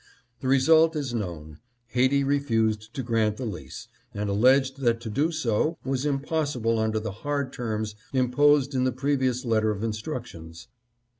" The result is known. Haiti refused to grant the lease, and alleged that to do so was impossible under the hard terms imposed in the previous letter of instruc tions.